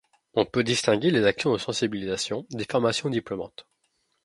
On peut distinguer les actions de sensibilisations des formations diplômantes.